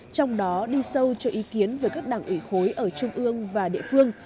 trong đó đi sâu cho ý kiến về các đảng ủy khối ở trung ương và địa phương